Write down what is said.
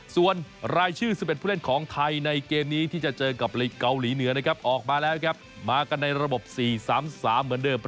ส่วนรายชื่อ๑๑ผู้เล่นของไทยในเกมที่จะเจอกับเลขเกาหลีเหนือนะครับมากันในระบบ๔๓๓เหมือนเดิม